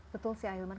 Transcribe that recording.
betul sih ahilman